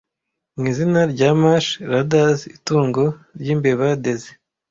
Mwizina rya MASH Radars itungo ryimbeba Daisy